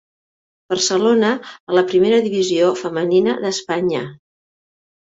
Barcelona a la Primera Divisió femenina d'Espanya.